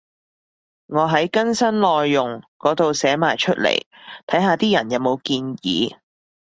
我喺更新內容嗰度寫埋出嚟，睇下啲人有冇建議